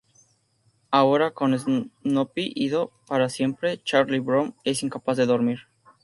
Ahora con Snoopy ido para siempre, Charlie Brown es incapaz de dormir.